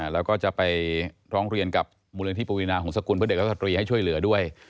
แล้วก็จะไปร้องเรียนกับมูลนิธิปวีนาหงษกุลเพื่อเด็กและสตรีให้ช่วยเหลือด้วย